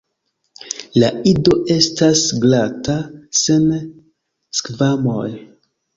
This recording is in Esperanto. La ido estas glata sen skvamoj.